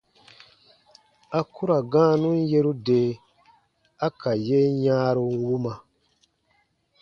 A ku ra gãanun yeru de a ka yen yãaru wuma.